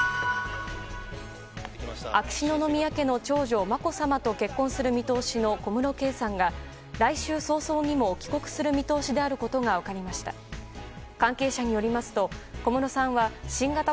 秋篠宮家の長女まこさまと結婚する見通しの小室圭さんが、来週早々にも帰国する見通しであることが分かりました。